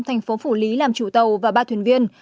tp phủ lý làm chủ tàu và ba thuyền viên